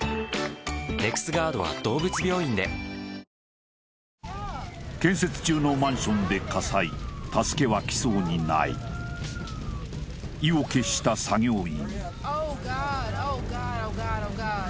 キリン「生茶」建設中のマンションで火災助けは来そうにない意を決した作業員・ＯｈＧｏｄ！